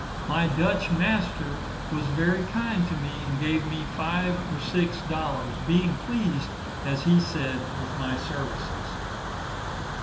My Dutch master was very kind to me, and gave me five or six dollars, being pleased, as he said, with my services.